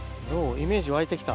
イメージ湧いて来た？